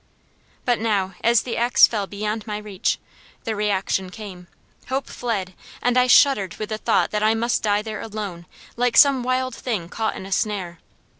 But now, as the axe fell beyond my reach, the reaction came, hope fled, and I shuddered with the thought that I must die there alone like some wild thing caught in a snare.